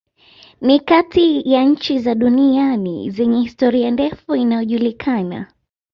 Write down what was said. Ni kati ya nchi za dunia zenye historia ndefu inayojulikana.